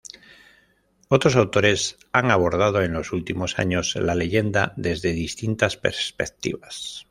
Otros autores han abordado en los últimos años la leyenda desde distintas perspectivas.